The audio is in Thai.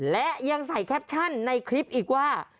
และยังใส่แคปชั่นในคลิปอีกว่า